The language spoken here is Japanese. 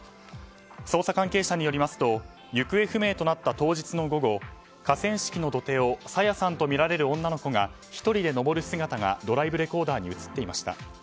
捜査関係者によりますと行方不明となった当日の午後河川敷の土手を朝芽さんとみられる女の子が１人で上る姿がドライブレコーダーに映っていました。